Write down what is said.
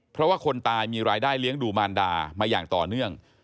เพราะว่าคนตายมีรายได้เลี้ยงดูมารดามาอย่างต่อเนื่อง